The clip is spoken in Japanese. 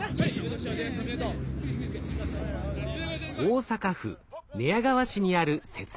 大阪府寝屋川市にある摂南大学。